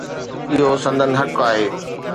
اهو سندن حق آهي.